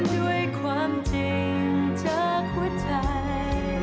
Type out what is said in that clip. ด้วยความจริงจากหัวใจ